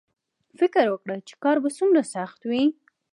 فکر وکړه چې کار به څومره سخت وي